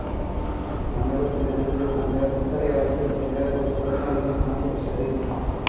மண்டபத்திலிருந்து அந்தப் பித்தளை அறைக்குச் செல்ல ஒரு சுரங்க வழியும் அமைக்கப்பட்டது.